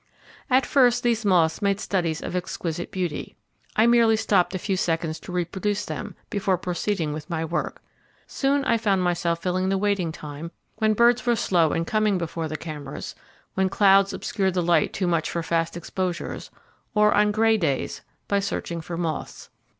At first, these moths made studies of exquisite beauty, I merely stopped a few seconds to reproduce them, before proceeding with my work. Soon I found myself filling the waiting time, when birds were slow in coming before the cameras, when clouds obscured the light too much for fast exposures, or on grey days, by searching for moths.